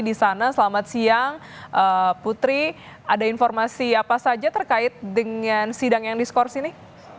disana selamat siang putri ada informasi apa saja terkait dengan sidang yang diskorsi nih